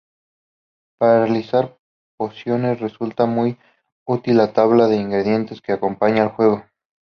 Para realizar pociones resulta muy útil la tabla de ingredientes que acompaña al juego.